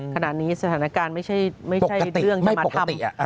ขณะนี้สถานการณ์ไม่ใช่เรื่องจะมาทำ